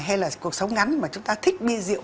hay là cuộc sống ngắn mà chúng ta thích bia rượu